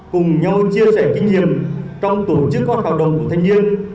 cùng nhau chia sẻ kinh nghiệm trong tổ chức con hoạt động của thanh niên